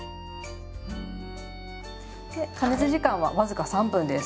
加熱時間は僅か３分です。